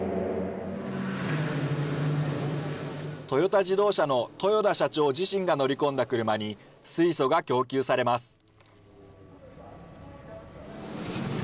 トヨタ自動車の豊田社長自身が乗り込んだ車に、水素が供給されます。